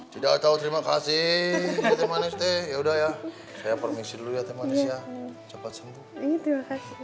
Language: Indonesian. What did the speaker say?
tidak tahu terima kasih ya udah ya saya permisi dulu ya tim malaysia cepat sembuh